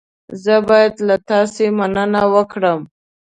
زه باید له تاسې مننه وکړم.